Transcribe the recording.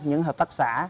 những hợp tác xã